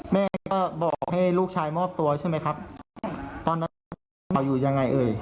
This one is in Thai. แม่ก็บอกให้ลูกชายมอบตัวใช่ไหมครับตอนนั้นเขาอยู่ยังไงเอ่ย